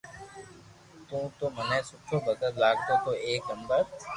تو تي مني سٺو ڀگت لاگتو تو ايڪ نمبر